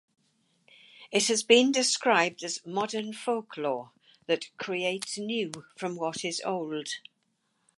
It has been described as "modern folklore" that "creates new from what is old".